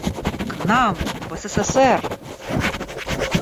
К нам, в СССР!